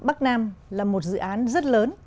bắc nam là một dự án rất lớn